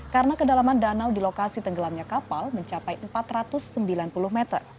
karena kedalaman danau di lokasi tenggelamnya kapal mencapai empat ratus sembilan puluh meter